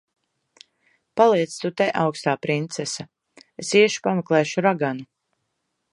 Paliec tu te, augstā princese. Es iešu pameklēšu raganu.